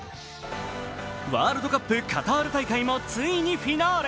ワールドカップ・カタール大会もついにフィナーレ。